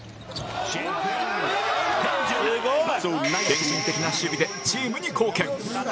献身的な守備でチームに貢献